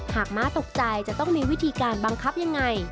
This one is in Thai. ม้าตกใจจะต้องมีวิธีการบังคับยังไง